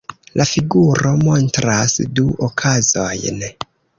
La figuro montras du okazojn.